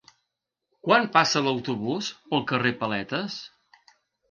Quan passa l'autobús pel carrer Paletes?